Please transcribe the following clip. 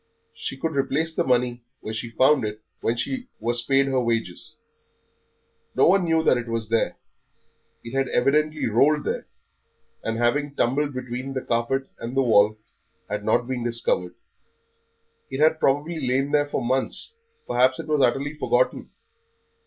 She could replace the money where she found it when she was paid her wages. No one knew it was there; it had evidently rolled there, and having tumbled between the carpet and the wall had not been discovered. It had probably lain there for months, perhaps it was utterly forgotten.